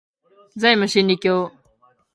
ザイム真理教